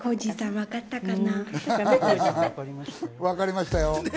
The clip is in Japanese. わかりましたよ。